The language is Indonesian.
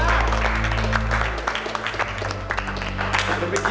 aku begitu merindunya